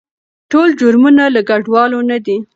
ټول جرمونه له کډوالو نه دي.